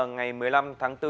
ngày một mươi năm tháng bốn